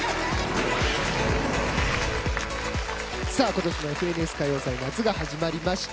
今年も「ＦＮＳ歌謡祭夏」が始まりました。